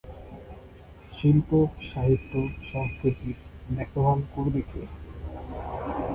শিল্প, সাহিত্য, সংস্কৃতির দেখভাল করবে কে?